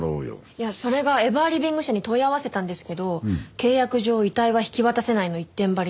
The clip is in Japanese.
いやそれがエバーリビング社に問い合わせたんですけど契約上遺体は引き渡せないの一点張りで。